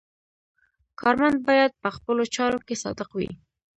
کارمند باید په خپلو چارو کې صادق وي.